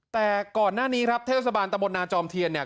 แต่ก่อนหน้านี้ครับเทศบาลตะบลนาจอมเทียนเนี่ย